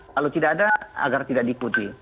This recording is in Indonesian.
kalau tidak ada agar tidak diikuti